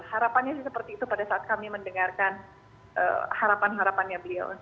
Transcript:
harapannya sih seperti itu pada saat kami mendengarkan harapan harapannya beliau